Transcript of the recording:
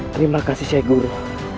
terima kasih syekh guru